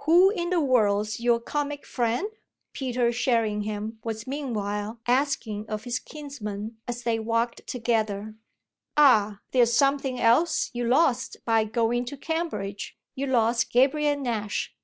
"Who in the world's your comic friend?" Peter Sherringham was meanwhile asking of his kinsman as they walked together. "Ah there's something else you lost by going to Cambridge you lost Gabriel Nash!"